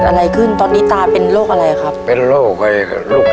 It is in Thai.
ทับผลไม้เยอะเห็นยายบ่นบอกว่าเป็นยังไงครับ